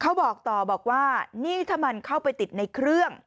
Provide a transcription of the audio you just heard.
เขาบอกต่อบอกว่านี่ถ้ามันเข้าไปติดในเครื่อง